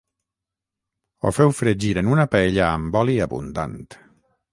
ho feu fregir en una paella amb oli abundant